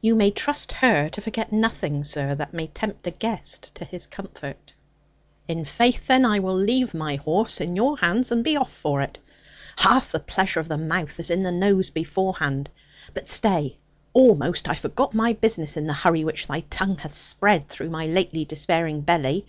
'You may trust her to forget nothing, sir, that may tempt a guest to his comfort.' 'In faith, then, I will leave my horse in your hands, and be off for it. Half the pleasure of the mouth is in the nose beforehand. But stay, almost I forgot my business, in the hurry which thy tongue hath spread through my lately despairing belly.